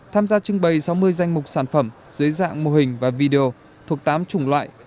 tham gia trưng bày sáu mươi danh mục sản phẩm dưới dạng mô hình và video thuộc tám chủng loại